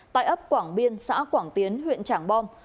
tại ấp quảng biên xã quảng tiến huyện trảng bom